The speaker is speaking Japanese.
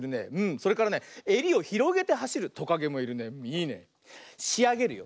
それからねえりをひろげてはしるトカゲもいるね。いいね。しあげるよ。